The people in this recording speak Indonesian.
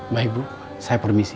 baik bu saya permisi